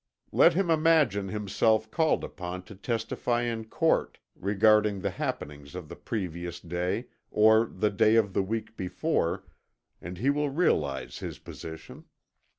Let him imagine himself called upon to testify in court, regarding the happenings of the previous day, or the day of the week before, and he will realize his position.